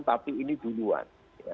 tapi ini duluan